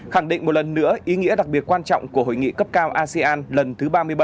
khẳng định một lần nữa ý nghĩa đặc biệt quan trọng của hội nghị cấp cao asean lần thứ ba mươi bảy